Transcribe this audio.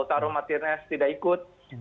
karena mereka lebih ook yang dalam